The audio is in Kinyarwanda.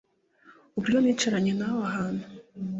uburyo nicaranye nawe ahantu